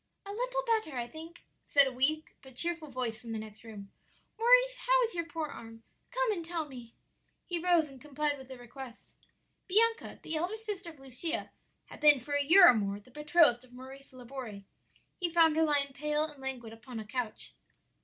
"'A little better, I think,' said a weak but cheerful voice from the next room. 'Maurice, how is your poor arm? come and tell me.' "He rose and complied with the request. "Bianca, the elder sister of Lucia, had been for a year or more the betrothed of Maurice Laborie. He found her lying pale and languid upon a couch.